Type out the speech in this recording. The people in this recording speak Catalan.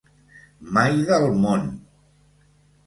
Mai del món!